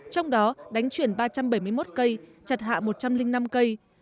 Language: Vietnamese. trong đó đánh chuyển ba trăm bảy mươi một cây chặt hạ một trăm linh năm cây